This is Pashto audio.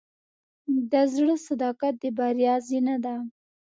د زړۀ صداقت د بریا زینه ده.